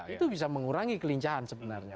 itu bisa mengurangi kelincahan sebenarnya